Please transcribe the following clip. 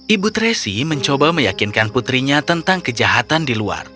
ibu tracy mencoba meyakinkan putrinya tentang kejahatan di luar